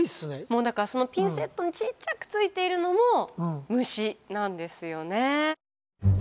もうだからそのピンセットにちっちゃくついているのも虫なんですよね。